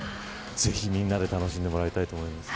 ぜひ、みんなで楽しんでもらいたいと思います。